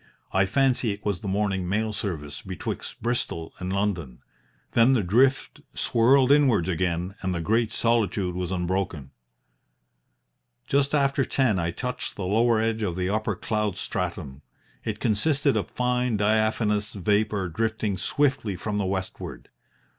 I fancy it was the morning mail service betwixt Bristol and London. Then the drift swirled inwards again and the great solitude was unbroken. "Just after ten I touched the lower edge of the upper cloud stratum. It consisted of fine diaphanous vapour drifting swiftly from the westward.